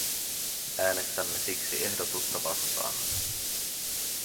Äänestämme siksi ehdotusta vastaan.